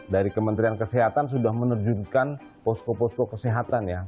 dari kementerian kesehatan sudah menerjunkan posko posko kesehatan ya